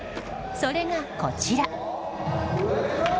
それが、こちら。